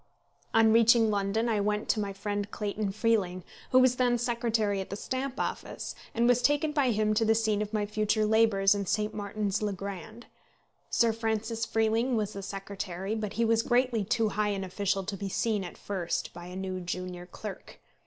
On reaching London I went to my friend Clayton Freeling, who was then secretary at the Stamp Office, and was taken by him to the scene of my future labours in St. Martin's le Grand. Sir Francis Freeling was the secretary, but he was greatly too high an official to be seen at first by a new junior clerk.